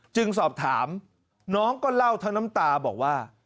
จึงสอบถามน้องก็เล่าทั้งน้ำตาบอกว่า